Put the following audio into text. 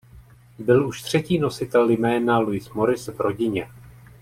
Byl už třetí nositel jména Lewis Morris v rodině.